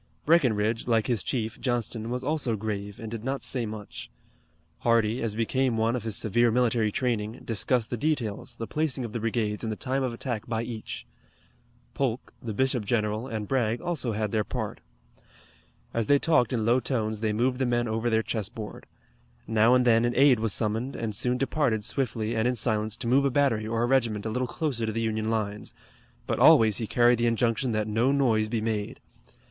Breckinridge, like his chief, Johnston, was also grave and did not say much. Hardee, as became one of his severe military training, discussed the details, the placing of the brigades and the time of attack by each. Polk, the bishop general, and Bragg, also had their part. As they talked in low tones they moved the men over their chessboard. Now and then an aide was summoned, and soon departed swiftly and in silence to move a battery or a regiment a little closer to the Union lines, but always he carried the injunction that no noise be made.